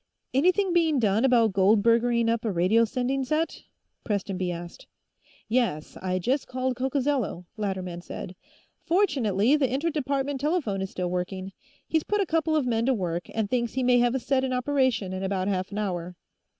"Anything being done about gold berging up a radio sending set?" Prestonby asked. "Yes. I just called Coccozello," Latterman said. "Fortunately, the inter department telephone is still working. He's put a couple of men to work, and thinks he may have a set in operation in about half an hour."